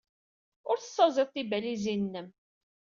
Ur tessaẓayeḍ tibalizin-nnem.